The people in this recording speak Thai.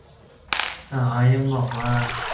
สาวไอซ์ยังบอกว่า